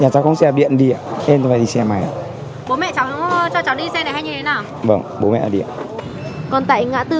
còn tại ngã tư nguyễn du